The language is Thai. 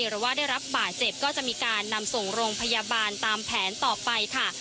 หรือว่าได้รับบาดเจ็บก็จะมีการนำส่งโรงพยาบาลตามแผนต่อไปค่ะ